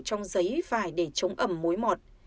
trong giấy phải để chống ẩm mối mọt